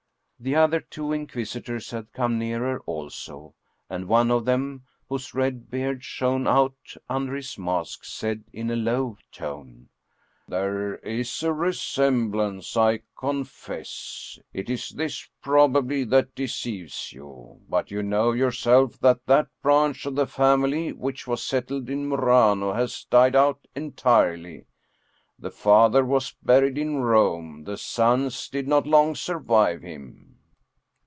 The other two Inquisitors had come nearer also, and one of them, whose red beard shone out under his mask, said in a low tone :" There is a resemblance, I confess, it is this, probably, that deceives you. But you know yourself that that branch of the family which was settled in Murano has died out entirely. The father was buried in Rome, the sons did not long survive him."